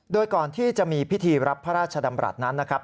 โดยก่อนที่จะมีพิธีรับพระราชดำรัฐนั้นนะครับ